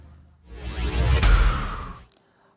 pengadilan tinggi tata usaha